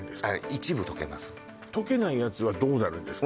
一部溶けます溶けないやつはどうなるんですか